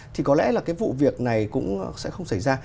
thì có lẽ là cái vụ việc này cũng sẽ không xảy ra